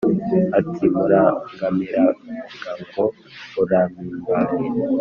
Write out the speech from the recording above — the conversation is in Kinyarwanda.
Ati: "Murangamirangango, urampimbaye,